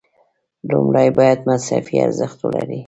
لومړی باید مصرفي ارزښت ولري.